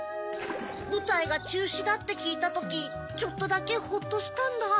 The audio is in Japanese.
ぶたいがちゅうしだってきいたときちょっとだけホッとしたんだ。